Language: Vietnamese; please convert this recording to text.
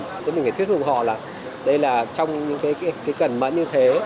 thế mình phải thuyết phục họ là đây là trong những cái cẩn mẫn như thế